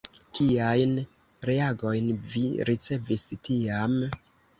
Kiajn reagojn vi ricevis tiam?